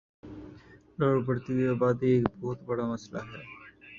لاہور بڑھتی ہوئی آبادی ایک بہت بڑا مسلہ ہے